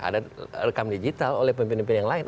ada rekam digital oleh pemimpin pemimpin yang lain